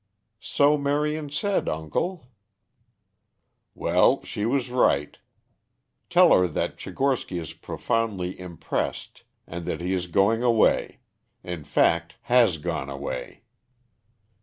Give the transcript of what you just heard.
"So Marion said, uncle." "Well, she was right. Tell her that Tchigorsky is profoundly impressed and that he is going away; in fact, has gone away.